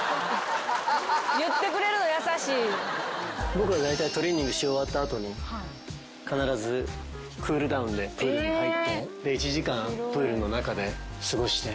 僕はだいたいトレーニングし終わった後に必ずクールダウンでプールに入って１時間プールの中で過ごして。